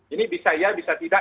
ini bisa ya bisa tidak